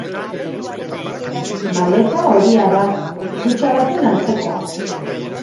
Maleta horia da, kutxa baten antzekoa.